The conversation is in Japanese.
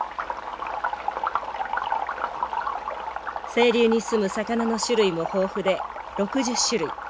清流にすむ魚の種類も豊富で６０種類。